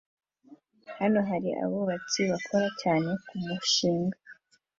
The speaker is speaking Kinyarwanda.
Hano hari abubatsi bakora cyane kumushinga